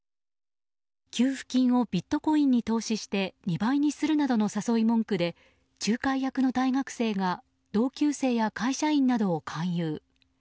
給付金をビットコインに投資して２倍にするなどの誘い文句で、仲介役の大学生が同級生や会社員などを勧誘。